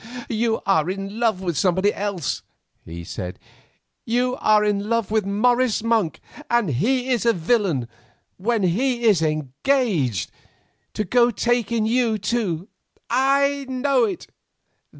"You are in love with somebody else," he said; "you are in love with Morris Monk; and he is a villain, when he is engaged, to go taking you too. I know it."